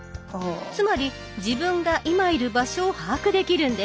つまり自分が今いる場所を把握できるんです。